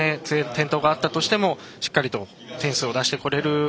転倒があったとしてもしっかり点数を出してこれる